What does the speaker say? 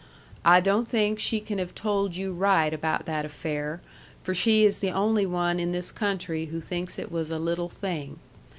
I don't think she can have told you right about that affair for she is the only one in this country who thinks it was a little thing.